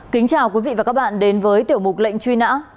kính chào quý vị và các bạn đến với tiểu mục lệnh truy nã